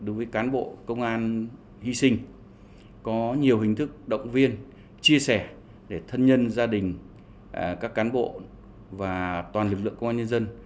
với cán bộ công an hy sinh có nhiều hình thức động viên chia sẻ để thân nhân gia đình các cán bộ và toàn lực lượng công an nhân dân